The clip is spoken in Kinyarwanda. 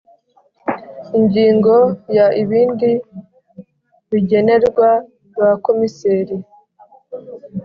Ingingo ya Ibindi bigenerwa ba Komiseri